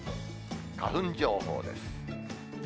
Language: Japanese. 花粉情報です。